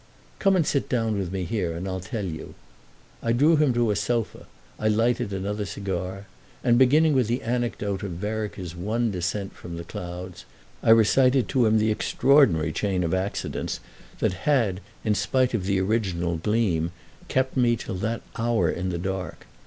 "Come and sit down with me here, and I'll tell you." I drew him to a sofa, I lighted another cigar and, beginning with the anecdote of Vereker's one descent from the clouds, I recited to him the extraordinary chain of accidents that had, in spite of the original gleam, kept me till that hour in the dark.